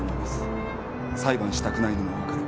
裁判したくないのも分かる。